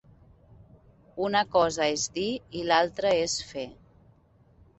Una cosa és dir i l'altra és fer.